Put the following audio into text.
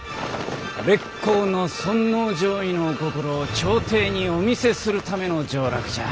烈公の尊王攘夷のお心を朝廷にお見せするための上洛じゃ。